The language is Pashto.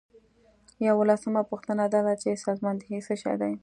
یوولسمه پوښتنه دا ده چې سازماندهي څه شی ده.